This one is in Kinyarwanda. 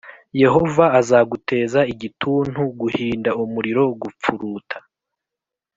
yehova azaguteza igituntu, guhinda umuriro, gupfuruta,